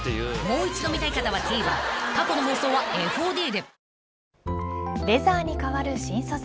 ［もう一度見たい方はＴＶｅｒ過去の放送はＦＯＤで］